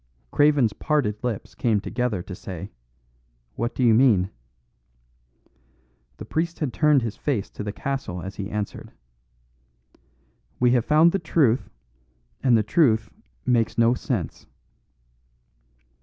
Craven's parted lips came together to say, "What do you mean?" The priest had turned his face to the castle as he answered: "We have found the truth; and the truth makes no sense."